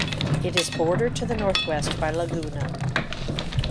It is bordered to the northwest by Laguna.